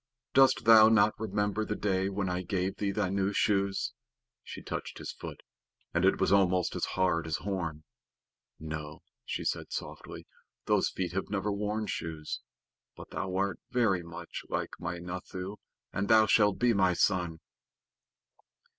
"Dost thou not remember the day when I gave thee thy new shoes?" She touched his foot, and it was almost as hard as horn. "No," she said sorrowfully, "those feet have never worn shoes, but thou art very like my Nathoo, and thou shalt be my son."